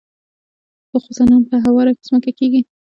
د خوست غنم په هواره ځمکه کیږي.